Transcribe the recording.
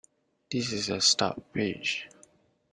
This is a stub page.